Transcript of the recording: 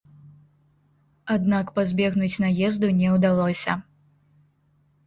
Аднак пазбегнуць наезду не ўдалося.